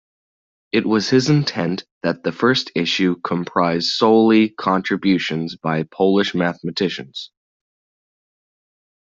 It was his intent that the first issue comprise solely contributions by Polish mathematicians.